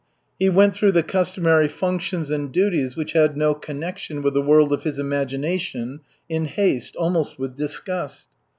He went through the customary functions and duties which had no connection with the world of his imagination, in haste, almost with disgust.